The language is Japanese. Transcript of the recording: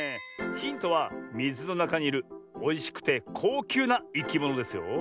ヒントはみずのなかにいるおいしくてこうきゅうないきものですよ。